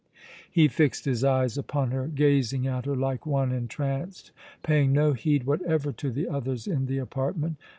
He fixed his eyes upon her, gazing at her like one entranced, paying no heed whatever to the others in the apartment.